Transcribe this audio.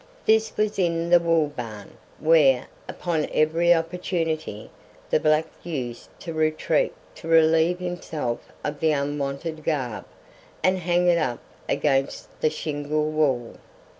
This was in the wool barn, where, upon every opportunity, the black used to retreat to relieve himself of the unwonted garb, and hang it up against the shingle wall.